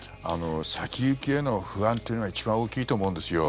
先行きへの不安というのは一番大きいと思うんですよ。